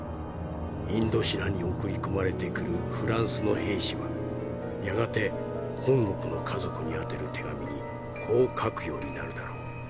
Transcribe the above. インドシナに送り込まれてくるフランスの兵士はやがて本国の家族に宛てる手紙にこう書くようになるだろう。